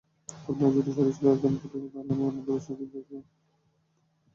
আপনারা যদি সরাসরি আলোচনা করতে চান, তাহলে আমি আপনাদের বাসায়-অফিসে ছুটে যাব।